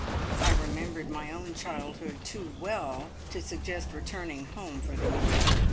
I remembered my own childhood too well to suggest returning home for the meal.